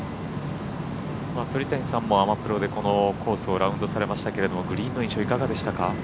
鳥谷さんもアマプロでこのコースをラウンドされましたけれどもグリーンの位置はいかがでしたか？